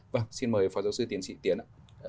vâng xin mời phó giáo sư tiến sĩ tiến ạ